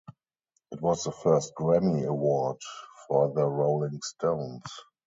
It was the first Grammy award for the Rolling Stones.